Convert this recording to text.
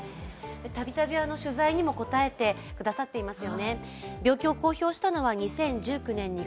たびたび取材にも応えてくださっています。